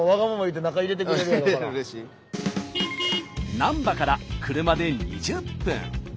難波から車で２０分。